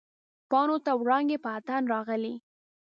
پاڼو ته وړانګې په اتڼ راغلي